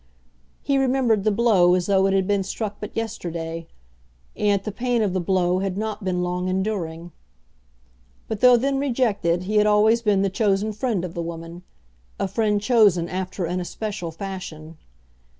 He remembered the blow as though it had been struck but yesterday, and yet the pain of the blow had not been long enduring. But though then rejected he had always been the chosen friend of the woman, a friend chosen after an especial fashion.